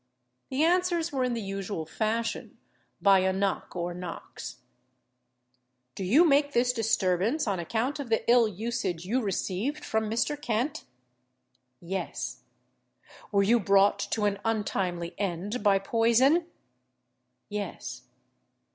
The answers were in the usual fashion, by a knock or knocks: "Do you make this disturbance on account of the ill usage you received from Mr. Kent?" "Yes." "Were you brought to an untimely end by poison?" "Yes."